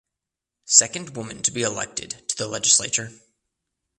Second woman to be elected to the legislature.